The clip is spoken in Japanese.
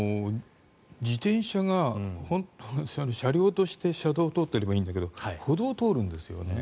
自転車が車道を通っていればいいんですが歩道を通るんですよね。